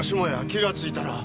気がついたら。